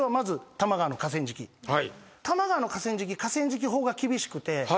多摩川の河川敷河川敷法が厳しくて。